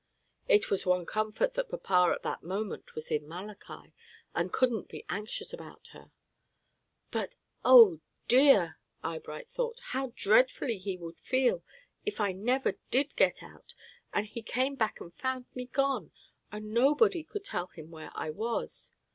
It was one comfort that papa at that moment was in Malachi, and couldn't be anxious about her; but, "Oh dear!" Eyebright thought, "how dreadfully he would feel if I never did get out, and he came back and found me gone, and nobody could tell him where I was.